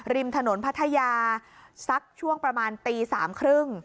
ริมถนนพัทยาสักช่วงประมาณตี๓๓๐น